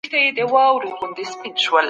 ليکوال بايد تر ځان زيات ټولني ته پام وکړي.